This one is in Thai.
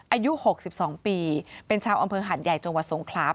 อายุ๖๒ปีเป็นชาวอำเภอหาดใหญ่จังหวัดสงขลา